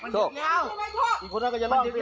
โชค